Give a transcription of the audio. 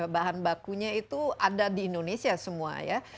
bahan bakunya itu ada di indonesia semua ya